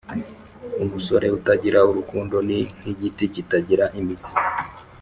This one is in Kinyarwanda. Umusore utagira urukundo ,ni nk’igiti kitagira imizi